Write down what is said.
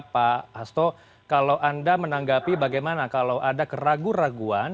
pak hasto kalau anda menanggapi bagaimana kalau ada keraguan keraguan